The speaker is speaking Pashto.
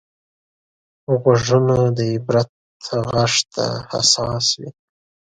غوږونه د عبرت غږ ته حساس وي